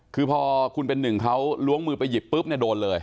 คือพอคุณเป็นหนึ่งเขาล้วงมือไปหยิบปุ๊บเนี่ยโดนเลย